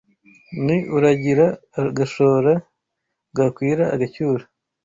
Ni uragira agashora Bwakwira agacyura